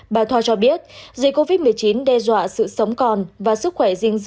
bà thoa cho biết dịch covid một mươi chín đe dọa sự sống còn và sức khỏe